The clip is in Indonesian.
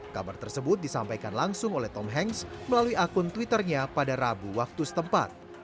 kabar tersebut disampaikan langsung oleh tom hanks melalui akun twitternya pada rabu waktu setempat